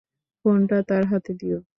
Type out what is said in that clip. ফোনটা তার হাতে দিও।